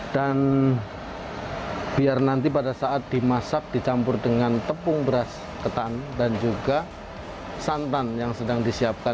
dan biar nanti pada saat dimasak dicampur dengan tepung beras ketan dan juga santan yang sedang disiapkan